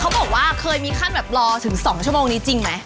เค้าบอกว่าเคยมีขั้นแบบรอถึง๒ชมนี้จริงไหม